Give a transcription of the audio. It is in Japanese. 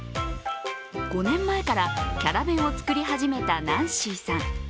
５年前からキャラ弁を作り始めたナンシーさん。